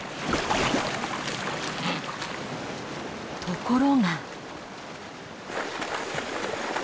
ところが。